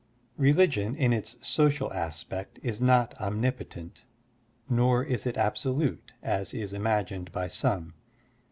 Religion in its social aspect is not omnipotent, nor is it absolute, as is imagined by some.